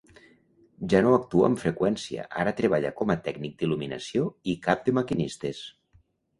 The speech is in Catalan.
Ja no actua amb freqüència, ara treballa com a tècnic d'il.luminació i cap de maquinistes.